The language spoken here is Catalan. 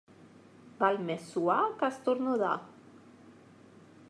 Val més suar que esternudar.